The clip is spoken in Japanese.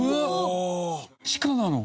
地下なの！？